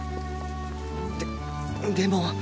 ででも